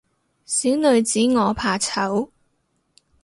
小女子我怕醜